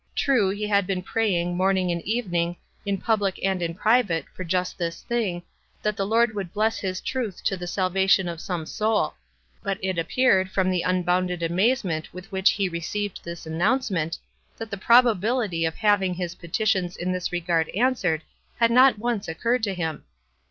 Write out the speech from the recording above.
True, he had been praying morning and even ing, in public and in private, for just this thing, WISE AND OTHEKWISE. 201 that the Lord would bless his truth to the sal vation of some soul ; but it appeared, from the unbounded amazement with which he received this announcement, that the probability of hav ing his petitions in this regard answered had not once occurred to him.